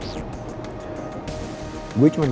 ya gak ada apa apa